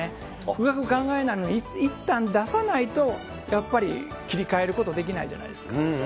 深く考えないために、いったん出さないと、やっぱり切り替えることできないじゃないですか。